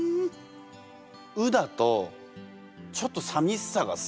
「う」だとちょっとさみしさがすごい強い。